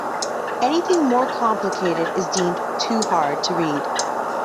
Anything more complicated is deemed 'too hard to read.